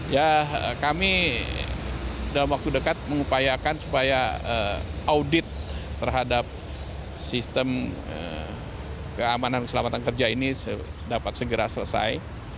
ya kami dalam waktu dekat mengupayakan supaya audit terhadap sistem keamanan keselamatan kerja ini dapat segera selesai